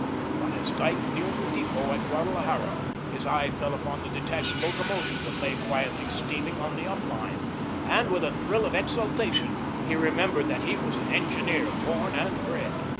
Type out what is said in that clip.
But as Dyke neared the depot at Guadalajara, his eye fell upon the detached locomotive that lay quietly steaming on the up line, and with a thrill of exultation, he remembered that he was an engineer born and bred.